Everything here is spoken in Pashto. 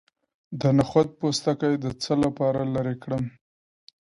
د نخود پوستکی د څه لپاره لرې کړم؟